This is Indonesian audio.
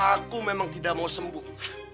aku memang tidak mau sembuh